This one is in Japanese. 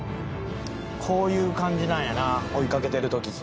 こういう感じなんやな追いかけてる時って。